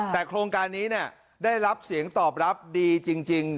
แต่โครงการนี้ได้รับเสียงตอบรับดีจริง